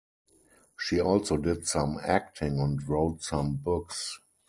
She also did some acting and wrote some books.